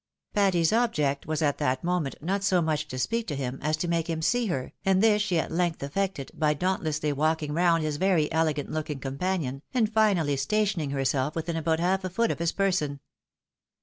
Patty's object was at that moment not so much to speak to him as to make him see her, and this she at length effected, by dauntlessly walking round his very elegant looking com panion, and finally stationing herself within about half a foot of his person.